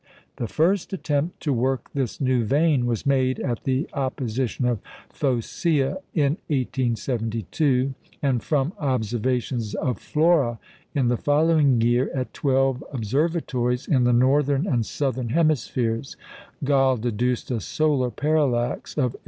The first attempt to work this new vein was made at the opposition of Phocæa in 1872; and from observations of Flora in the following year at twelve observatories in the northern and southern hemispheres, Galle deduced a solar parallax of 8·87".